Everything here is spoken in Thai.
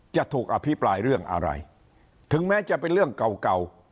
จะถูกอภิปรายเรื่องอะไรถึงแม้จะเป็นเรื่องเก่าเก่า